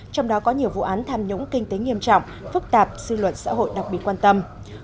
trong đó có nhiều vụ án tham nhũng kinh tế nghiêm trọng phức tạp dư luận xã hội đặc biệt quan tâm